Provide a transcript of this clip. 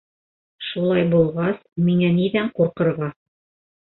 Шулай булғас, миңә ниҙән ҡурҡырға?